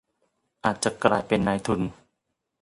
อาจจะกลายเป็นนายทุน